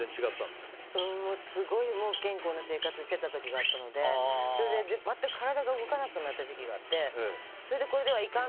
すごい不健康な生活をしていた時があったのでそれで、全く体が動かなくなった時期があって。